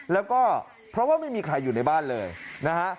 แล้วก็เพราะว่าไม่มีใครอยู่ในบ้านเลยนะฮะ